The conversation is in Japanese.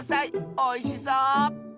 おいしそう！